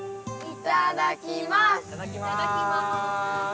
いただきます！